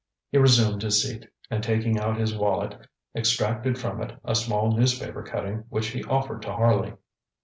ŌĆØ He resumed his seat, and taking out his wallet extracted from it a small newspaper cutting which he offered to Harley.